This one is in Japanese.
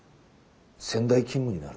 仙台勤務になる。